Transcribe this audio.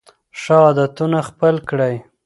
ښه عادتونه خپل کړئ.